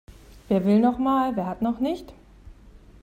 Wer will noch mal, wer hat noch nicht?